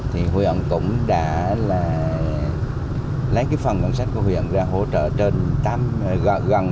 thì huyện cũng đã là lấy cái phần ngân sách của huyện ra hỗ trợ trên tám gọn